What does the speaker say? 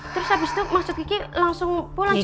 terus habis itu masuk gigi langsung pulang